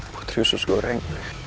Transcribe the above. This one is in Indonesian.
putri usus goreng